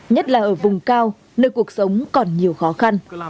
nhất là ở vùng cao nơi cuộc sống còn nhiều khó khăn